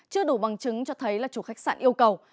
chưa đủ bằng chứng cho thấy là chủ khách sạn yêu cầu